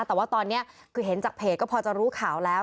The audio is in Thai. แต่ว่าตอนนี้คือเห็นจากเพจก็พอจะรู้ข่าวแล้ว